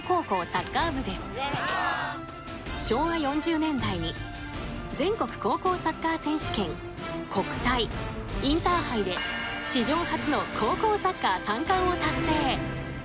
昭和４０年代に全国高校サッカー選手権国体インターハイで史上初の高校サッカー三冠を達成。